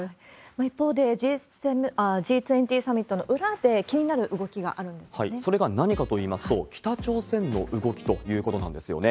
一方で、Ｇ２０サミットの裏で、それが何かといいますと、北朝鮮の動きということなんですよね。